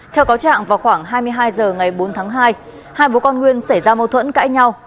theo cáo trạng vào khoảng hai mươi hai h ngày bốn tháng hai hai bố con nguyên xảy ra mâu thuẫn cãi nhau